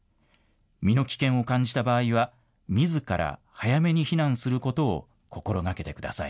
身の危険を感じた場合はみずから早めに避難することを心がけてください。